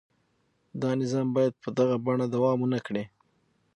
دا نظام باید په دغه بڼه دوام ونه کړي.